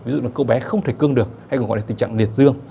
ví dụ là cô bé không thể cương được hay gọi là tình trạng liệt dương